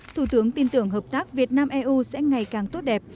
thủ tướng tin tưởng hợp tác việt nam eu sẽ ngày càng tốt đẹp